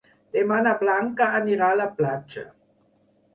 Demà na Blanca anirà a la platja.